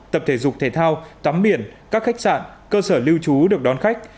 tập thể dục thể thao tắm biển các khách sạn cơ sở lưu trú được đón khách